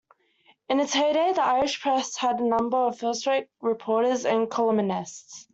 In its heyday, "The Irish Press" had a number of first-rate reporters and columnists.